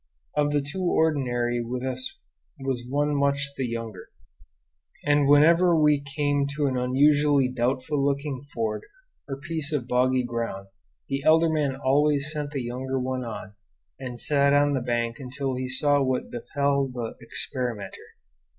Of the two ordinarily with us one was much the younger; and whenever we came to an unusually doubtful looking ford or piece of boggy ground the elder man always sent the younger one on and sat on the bank until he saw what befell the experimenter.